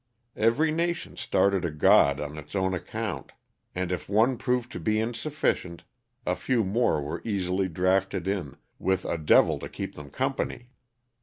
Every nation started a god on its own account, and if one proved to be insufficient, a few more were easily drafted in, with a devil to keep them company.